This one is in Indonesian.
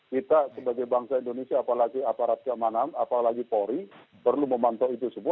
kita sebagai bangsa indonesia apalagi aparat keamanan apalagi polri perlu memantau itu semua